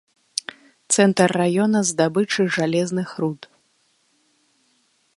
Цэнтр раёна здабычы жалезных руд.